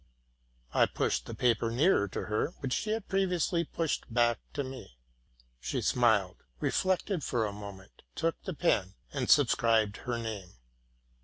I pushed the paper nearer to her, which she had previously pushed back to me. She smiled, reflected for a moment, took the pen, and subscribed her name.